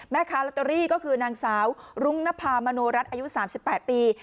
แม่ค้าลอตเตอรี่ก็คือนางสาวรุ้งนภามโนรัฐอายุ๓๘ปี